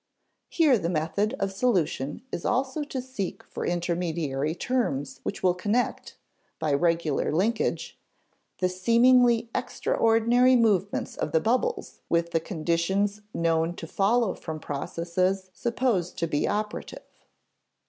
Here the method of solution is also to seek for intermediary terms which will connect, by regular linkage, the seemingly extraordinary movements of the bubbles with the conditions known to follow from processes supposed to be operative.